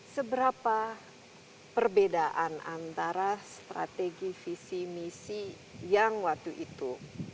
seberapa perbedaan antara strategi visi misi yang waktu itu